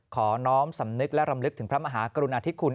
น้อมสำนึกและรำลึกถึงพระมหากรุณาธิคุณ